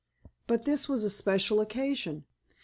But this was a special occasion.